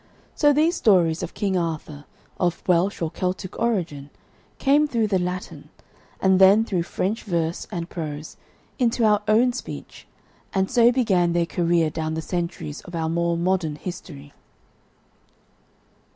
So these stories of King Arthur, of Welsh or Celtic origin, came through the Latin, and then through French verse and prose, into our own speech, and so began their career down the centuries of our more modern history.